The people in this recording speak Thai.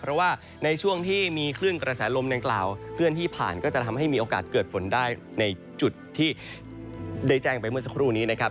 เพราะว่าในช่วงที่มีคลื่นกระแสลมดังกล่าวเคลื่อนที่ผ่านก็จะทำให้มีโอกาสเกิดฝนได้ในจุดที่ได้แจ้งไปเมื่อสักครู่นี้นะครับ